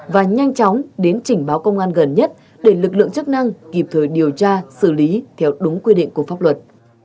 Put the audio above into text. và nhanh chóng đến chỉnh báo công an gần nhất để lực lượng chức năng kịp thời điều tra xử lý theo đúng quy định của pháp luật